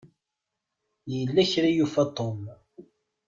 Yella kra i yufa Tom.